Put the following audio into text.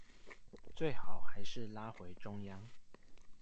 最好還是拉回中央